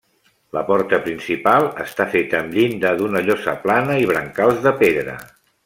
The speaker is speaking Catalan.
La porta principal està feta amb llinda d'una llosa plana i brancals de pedra.